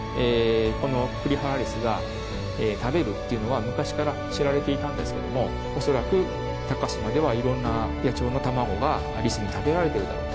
このクリハラリスが食べるっていうのは昔から知られていたんですけども恐らく高島ではいろんな野鳥の卵がリスに食べられているだろうと。